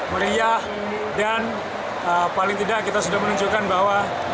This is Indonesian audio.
meriah dan paling tidak kita sudah menunjukkan bahwa